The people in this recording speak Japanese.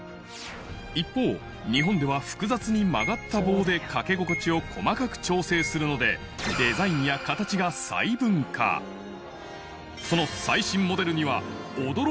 一方日本では複雑に曲がった棒でかけ心地を細かく調整するのでそのこれが。変わらないよ。